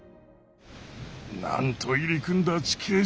なんと入り組んだ地形じゃ。